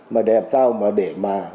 để làm sao mà để mà